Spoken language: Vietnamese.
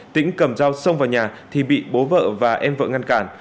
tỉnh cầm rau xông vào nhà thì bị bố vợ và em vợ ngăn cản